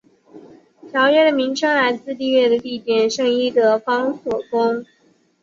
条约的名称来自缔约的地点圣伊德方索宫。